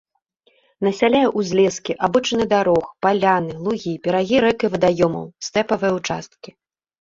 Насяляе узлескі, абочыны дарог, паляны, лугі, берагі рэк і вадаёмаў, стэпавыя ўчасткі.